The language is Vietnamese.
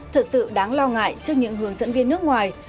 thật sự đáng lo ngại trước những hướng dẫn viên nước ngoài